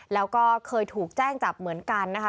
แล้วก็เคยถูกแจ้งจับเหมือนกันนะคะ